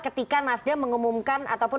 ketika nasdaq mengumumkan ataupun